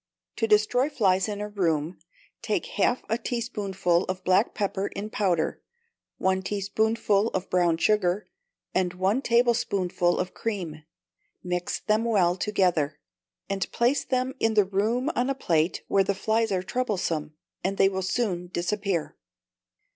To destroy flies in a room, take half a teaspoonful of black pepper in powder, one teaspoonful of brown sugar, and one tablespoonful of cream, mix them well together, and place them in the room on a plate, where the flies are troublesome, and they will soon disappear.